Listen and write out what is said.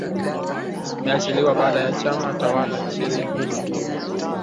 ameachiliwa baada ya chama tawala nchini humo